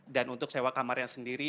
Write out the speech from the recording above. dan untuk sewa kamar yang sendiri